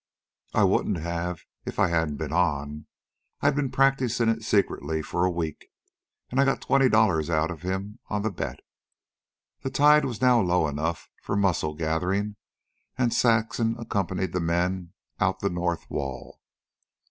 "I wouldn't have if I hadn't been on. I'd been practicing it secretly for a week. And I got twenty dollars out of him on the bet." The tide was now low enough for mussel gathering and Saxon accompanied the men out the north wall.